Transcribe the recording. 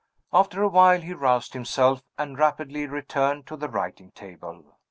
After a while he roused himself, and rapidly returned to the writing table.